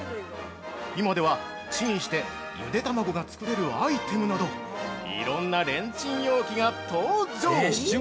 今では、チンしてゆで卵が作れるアイテムなどいろんなレンチン容器が登場！